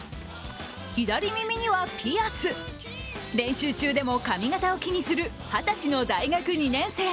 左耳にはピアス、練習中でも髪形を気にする二十歳の大学２年生。